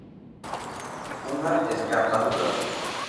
Unha esgazadura.